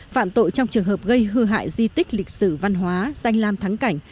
phạm tội trong trường hợp gây hư hại di tích lịch sử văn hóa danh lam thắng cảnh